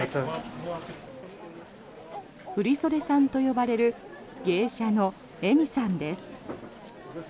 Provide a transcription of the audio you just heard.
振袖さんと呼ばれる芸者の笑海さんです。